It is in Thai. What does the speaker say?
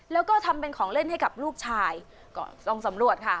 แล้วก็ทำเป็นของเล่นให้กับลูกชายก็ลงสำรวจค่ะ